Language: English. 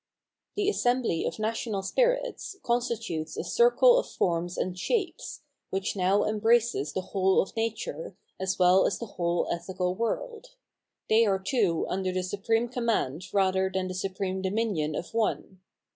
The assembly of national spirits constitutes a circle of forms and shapes, which now embraces the whole of nature, as well as the whole ethical world. They are too under the supreme command rather than the supreme dominion of one.